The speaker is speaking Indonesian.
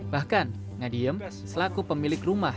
bahkan nga diem selaku pemilik rumah